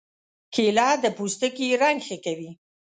کېله د پوستکي رنګ ښه کوي.